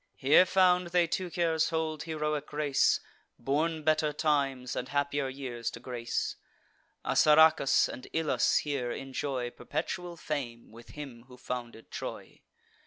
Here found they Teucer's old heroic race, Born better times and happier years to grace. Assaracus and Ilus here enjoy Perpetual fame, with him who founded Troy.